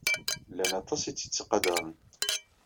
Llan aṭas ay tt-yettqadaren.